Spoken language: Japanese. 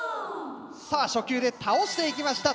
さあ初球で倒していきました